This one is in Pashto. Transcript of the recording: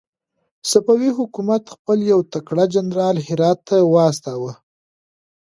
صفوي حکومت خپل يو تکړه جنرال هرات ته واستاوه.